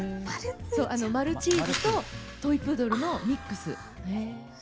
マルチーズとトイプードルのミックス。